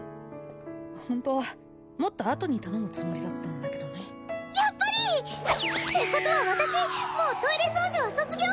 本当はもっとあとに頼むつもりだったんだけどねやっぱり！ってことは私もうトイレ掃除は卒業？